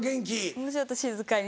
もうちょっと静かに。